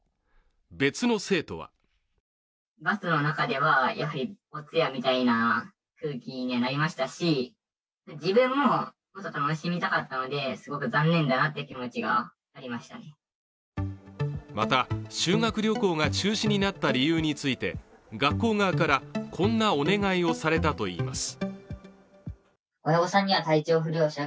別の生徒はまた修学旅行が中止になった理由について学校側からこんなお願いをされたといいます。